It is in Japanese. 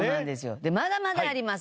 でまだまだあります。